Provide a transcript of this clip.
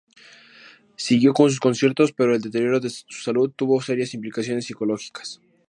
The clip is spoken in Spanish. Siguió con sus conciertos pero el deterioro de su salud tuvo serias implicaciones psicológicas.